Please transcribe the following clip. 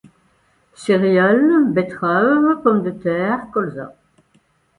Céréales, betteraves, pommes de terre, colza.